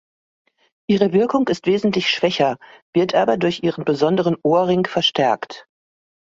Ihre Wirkung ist wesentlich schwächer, wird aber durch ihren besonderen Ohrring verstärkt.